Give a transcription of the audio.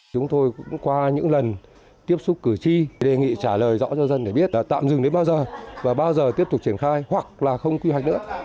chúng tôi cũng qua những lần tiếp xúc cử tri đề nghị trả lời rõ cho dân để biết là tạm dừng đến bao giờ và bao giờ tiếp tục triển khai hoặc là không quy hoạch nữa